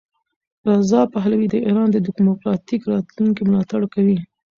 رضا پهلوي د ایران د دیموکراتیک راتلونکي ملاتړ کوي.